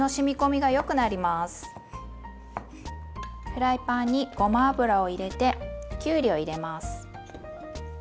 フライパンにごま油を入れてきゅうりを入れます。